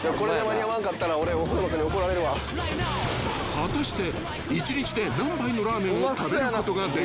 ［果たして］